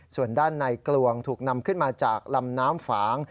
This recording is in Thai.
ส่วนด้านในกลวงถูกนำขึ้นมาจากลำน้ำฝาง